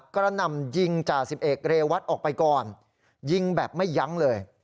กระหน่ำยิงจ่าสิบเอกเรวัตออกไปก่อนยิงแบบไม่ยั้งเลย